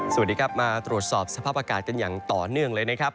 สวัสดีครับมาตรวจสอบสภาพอากาศกันอย่างต่อเนื่องเลยนะครับ